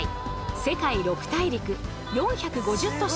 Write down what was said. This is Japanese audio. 世界６大陸４５０都市